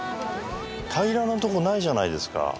平らなとこないじゃないですか。